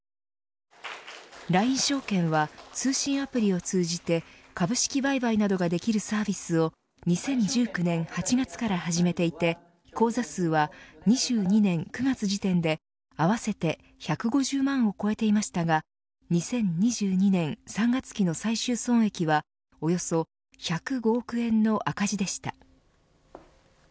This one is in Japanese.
ＬＩＮＥ証券は通信アプリを通じて株式売買などができるサービスを２０１９年８月から始めていて口座数は２２年９月時点で合わせて１５０万を超えていましたが２０２２年３月期の最終損益はおよそ１０５億円の赤字でした。